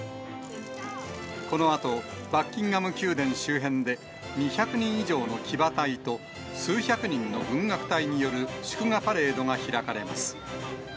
このあとバッキンガム宮殿周辺で、２００人以上の騎馬隊と、数百人の軍楽隊による祝賀パレードが開かれます。